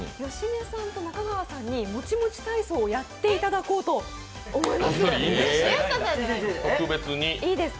芳根さんと中川さんにモチモチ体操をやっていただこうと思います。